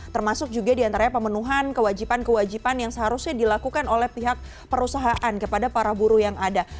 termasuk juga diantaranya pemenuhan kewajipan kewajipan yang seharusnya dilakukan oleh pihak perusahaan kepada para buru yang ada